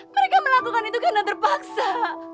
mereka melakukan itu karena terpaksa